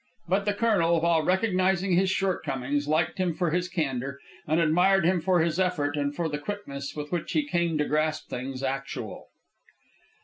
But the colonel, while recognizing his shortcomings, liked him for his candor, and admired him for his effort and for the quickness with which he came to grasp things actual.